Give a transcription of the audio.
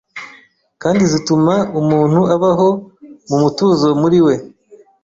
kandi zituma umuntu abaho mu mutuzo muri we